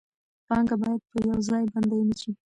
پانګه باید په یو ځای بنده نشي.